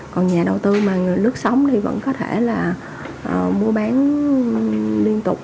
còn nhà đầu tư mà lướt sống thì vẫn có thể là mua bán liên tục